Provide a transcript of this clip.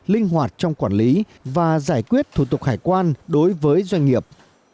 linh hoạt trong quản lý và giải quyết thủ tục hải quan đối với doanh nghiệp